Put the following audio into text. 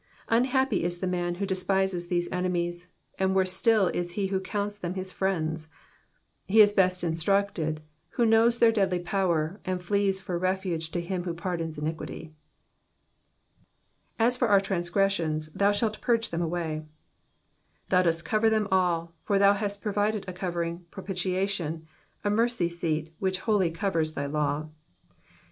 Unhappy is the man who despises these enemies, and worse still is he who counts them his friends ! He is best instructed who knows their deadly power, and flees for refuge to him who 11 Digitized by VjOOQIC 162 EXPOSITIOKS OF THE PSALMS. pardons iniquitr. ^*A$ for imr tnuufpremioni^ thou $hdlt purge them, atMiy/* Thou dost coyer them all, for thou hast proyided a covering propitiation, a mercy seat which wholly covers thy law.